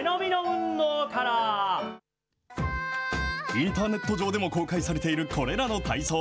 インターネット上でも公開されているこれらの体操。